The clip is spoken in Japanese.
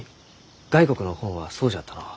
外国の本はそうじゃったのう。